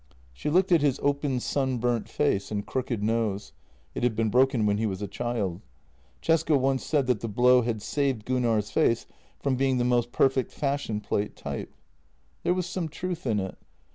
She looked at his open sunburnt face and crooked nose; it had been broken when he was a child. Cesca once said that the blow had saved Gunnar's face from being the most perfect fashion plate type. There was some truth in it.